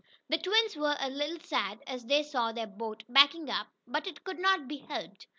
The twins were a little sad as they saw their boat backing up, but it could not be helped.